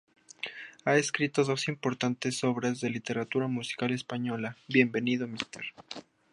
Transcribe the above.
Ha escrito dos importantes obras de la literatura musical española, "Bienvenido Mr.